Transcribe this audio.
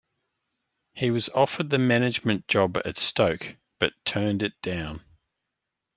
He was offered the management job at Stoke but turned it down.